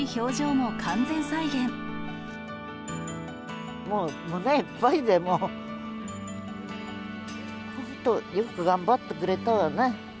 もう胸いっぱいで、もう、本当、よく頑張ってくれたわね。